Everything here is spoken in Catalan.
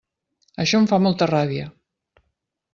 Això em fa molta ràbia.